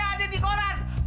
nih ada di koran